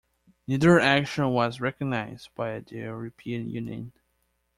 Neither action was recognized by the European Union.